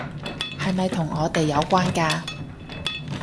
係咪同我哋有關㗎？